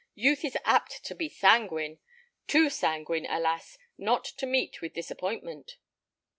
Youth is apt to be sanguine; too sanguine, alas! not to meet with disappointment."